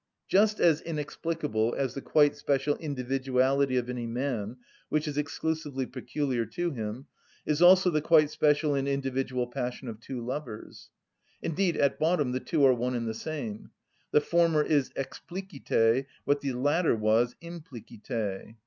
Just as inexplicable as the quite special individuality of any man, which is exclusively peculiar to him, is also the quite special and individual passion of two lovers; indeed at bottom the two are one and the same: the former is explicite what the latter was implicite.